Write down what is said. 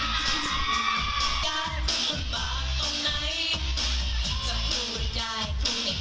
พูดจริงพูดจริงพูดจริงได้ต้องไม่ได้ต้อง